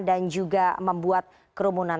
dan juga membuat kerumunan